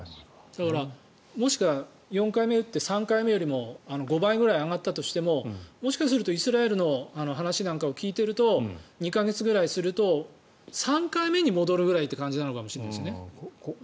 だから、もしくは４回目を打って３回目よりも５倍くらい上がったとしてももしかするとイスラエルの話を聞いていると２か月ぐらいすると３回目に戻るぐらいという感じなのかもしれないですね。